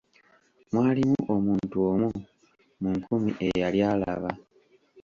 Mwalimu omuntu omu mu nkumi eyali alaba.